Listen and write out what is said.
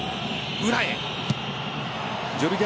裏へ。